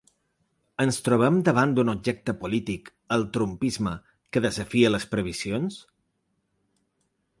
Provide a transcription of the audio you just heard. Ens trobem davant d’un objecte polític, el ‘Trumpisme’, que desafia les previsions?